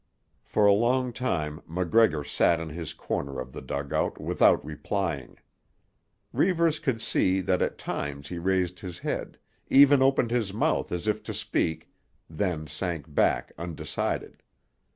For a long time MacGregor sat in his corner of the dugout without replying. Reivers could see that at times he raised his head, even opened his mouth as if to speak, then sank back undecided.